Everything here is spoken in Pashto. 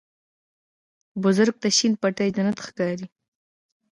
بزګر ته شین پټی جنت ښکاري